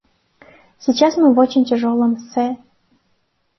Сейчас мы в очень тяжелом с.